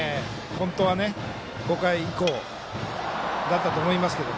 本当は５回以降だったと思います。